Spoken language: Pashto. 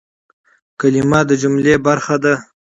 کلیمه د جملې برخه ده.